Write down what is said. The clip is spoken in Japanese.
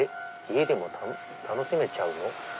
家でも楽しめちゃうの？」。